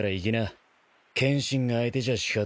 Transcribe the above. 剣心が相手じゃ仕方ねえ。